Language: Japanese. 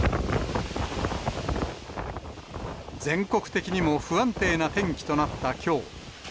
全国的にも不安定な天気となったきょう。